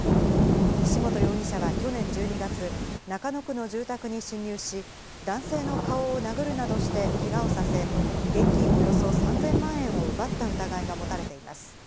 西本容疑者は去年１２月、中野区の住宅に侵入し、男性の顔を殴るなどしてけがをさせ、現金およそ３０００万円を奪った疑いが持たれています。